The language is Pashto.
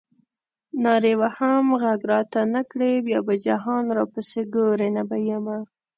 نارې وهم غږ راته نه کړې بیا به جهان راپسې ګورې نه به یمه.